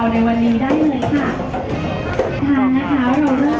ก็ไม่มีคนกลับมาหรือเปล่า